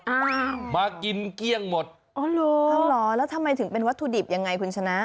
อ้าวมากินเกลี้ยงหมดอ๋อเหรอเอาเหรอแล้วทำไมถึงเป็นวัตถุดิบยังไงคุณชนะ